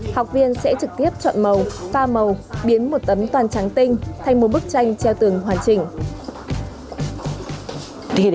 học viên sẽ trực tiếp chọn màu pha màu biến một tấm toàn trắng tinh thành một bức tranh treo tường hòa chỉnh